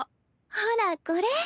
ほらこれ。